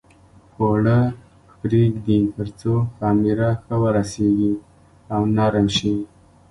اوړه پرېږدي تر څو خمېره ښه ورسېږي او نرم شي.